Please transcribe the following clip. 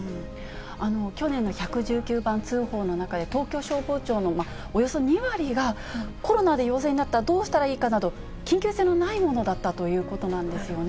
去年の１１９番通報の中で、東京消防庁のおよそ２割が、コロナで陽性になったらどうしたらいいかなど、緊急性のないものだったということなんですよね。